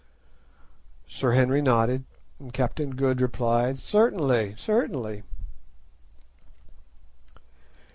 Sir Henry nodded, and Captain Good replied, "Certainly, certainly."